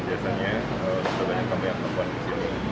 biasanya sudah banyak yang tempat di sini